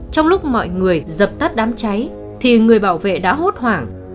trong lúc mọi người dập tắt đám cháy thì người bảo vệ đã hốt hoảng